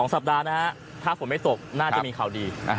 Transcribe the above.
สัปดาห์นะฮะถ้าฝนไม่ตกน่าจะมีข่าวดี